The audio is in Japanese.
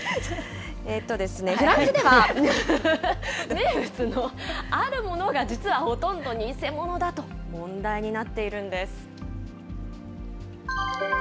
フランスでは、あるものが実はほとんど偽物だと問題になっているんです。